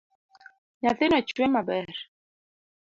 Nyathino chwe maber.